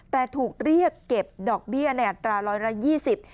แต่ถูกเรียกเก็บดอกเบี้ยแนตรา๑๒๐บาท